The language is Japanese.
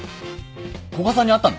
古賀さんに会ったの？